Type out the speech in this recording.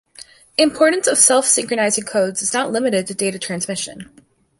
Importance of self-synchronizing codes is not limited to data transmission.